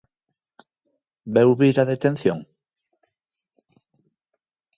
Veu vir a detención?